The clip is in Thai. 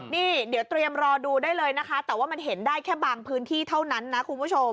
นี่เดี๋ยวเตรียมรอดูได้เลยนะคะแต่ว่ามันเห็นได้แค่บางพื้นที่เท่านั้นนะคุณผู้ชม